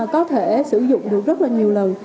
có thể sử dụng được rất là nhiều lần